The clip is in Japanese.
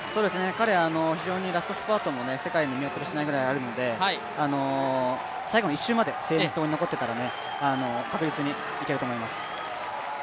彼、非常にラストスパートも世界に見劣りしないぐらいあるので最後の１周まで先頭に残ってたら確実にいけると思います。